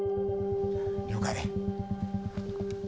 了解。